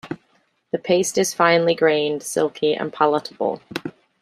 The paste is finely grained, silky and palatable.